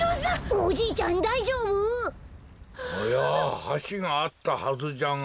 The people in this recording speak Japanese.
おやはしがあったはずじゃが。